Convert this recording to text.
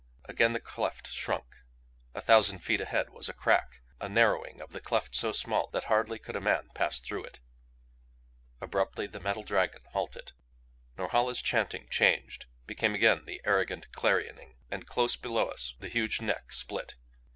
Again the cleft shrunk. A thousand feet ahead was a crack, a narrowing of the cleft so small that hardly could a man pass through it. Abruptly the metal dragon halted. Norhala's chanting changed; became again the arrogant clarioning. And close below us the huge neck split.